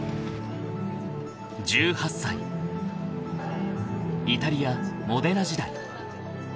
［１８歳イタリアモデナ時代］